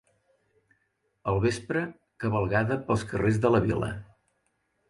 Al vespre, cavalcada pels carrers de la vila.